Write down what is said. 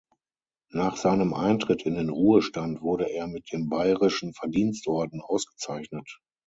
Nach seinem Eintritt in den Ruhestand wurde er mit dem Bayerischen Verdienstorden ausgezeichnet.